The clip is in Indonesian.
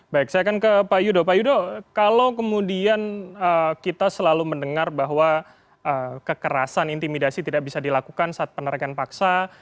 baik saya akan ke pak yudo pak yudo kalau kemudian kita selalu mendengar bahwa kekerasan intimidasi tidak bisa dilakukan saat penerikan paksa